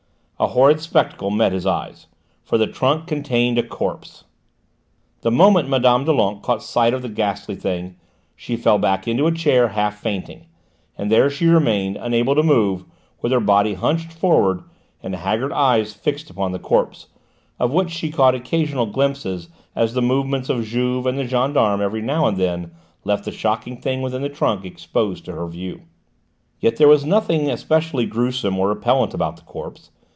A horrid spectacle met his eyes. For the trunk contained a corpse! The moment Mme. Doulenques caught sight of the ghastly thing, she fell back into a chair half fainting, and there she remained, unable to move, with her body hunched forward, and haggard eyes fixed upon the corpse, of which she caught occasional glimpses as the movements of Juve and the gendarme every now and then left the shocking thing within the trunk exposed to her view. Yet there was nothing especially gruesome or repellent about the corpse.